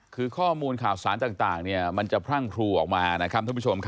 คือข้อมูลข่าวสารต่างมันจะพรั่งพลูออกมานะครับท่านผู้ชมครับ